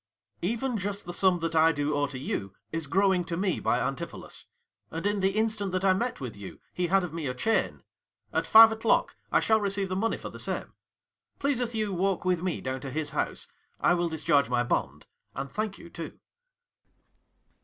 Ang. Even just the sum that I do owe to you Is growing to me by Antipholus; And in the instant that I met with you He had of me a chain: at five o'clock 10 I shall receive the money for the same. Pleaseth you walk with me down to his house, I will discharge my bond, and thank you too.